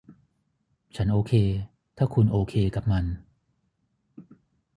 ฉันโอเคถ้าคุณโอเคกับมัน